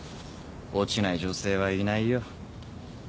落ちない女性はいないよ。